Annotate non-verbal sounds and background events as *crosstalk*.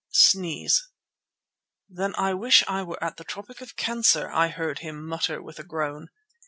*sneezes* "Then I wish I were at the Tropic of Cancer," I heard him mutter with a groan.